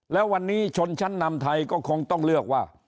แล้ววันนี้ชนชั้นนำไทยก็คงต้องเลือกว่า